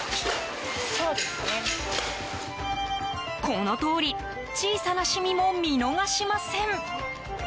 このとおり小さな染みも見逃しません。